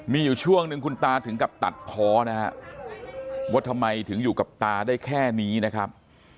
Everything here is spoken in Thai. มีอยู่ช่วงหนึ่งคุณตาถึงกับตัดเพาะนะฮะว่าทำไมถึงอยู่กับตาได้แค่นี้นะครับ